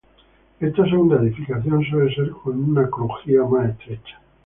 Esta segunda edificación suele ser con una crujía más estrecha.